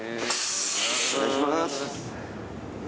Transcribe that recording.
お願いします。